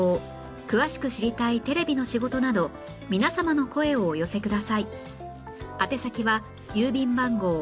詳しく知りたいテレビの仕事など皆様の声をお寄せください